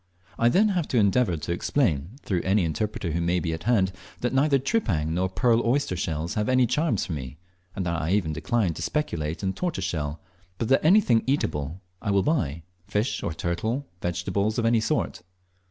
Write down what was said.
I then have to endeavour to explain, through any interpreter who may be at hand, that neither tripang nor pearl oyster shells have any charms for me, and that I even decline to speculate in tortoiseshell, but that anything eatable I will buy fish, or turtle, or vegetables of any sort.